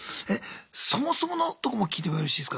そもそものとこも聞いてもよろしいですか？